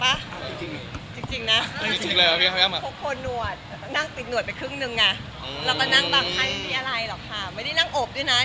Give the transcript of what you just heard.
เอาจริงจริงอีกป่ะ